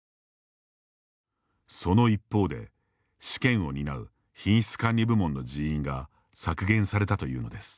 その一方で、試験を担う品質管理部門の人員が削減されたというのです。